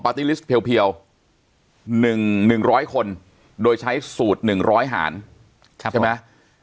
เพียวเพียวหนึ่งหนึ่งร้อยคนโดยใช้สูตรหนึ่งร้อยหารใช่ไหมอ่า